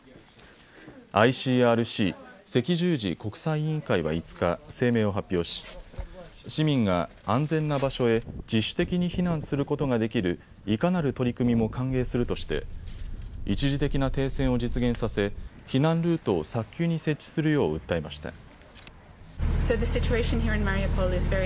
ＩＣＲＣ・赤十字国際委員会は５日、声明を発表し市民が安全な場所へ自主的に避難することができるいかなる取り組みも歓迎するとして一時的な停戦を実現させ避難ルートを早急に設置するよう訴えました。